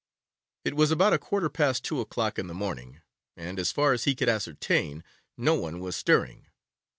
It was about a quarter past two o'clock in the morning, and, as far as he could ascertain, no one was stirring.